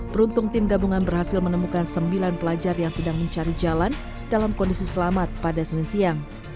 beruntung tim gabungan berhasil menemukan sembilan pelajar yang sedang mencari jalan dalam kondisi selamat pada senin siang